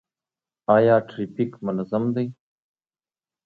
آیا ټرافیک منظم دی؟